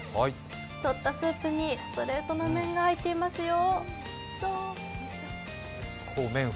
透き通ったスープにストレートの麺が入っていますよ。